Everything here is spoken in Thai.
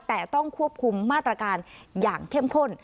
แต่ต้องควบคุมมาตรการอย่างเข้มข้น